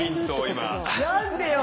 何でよ！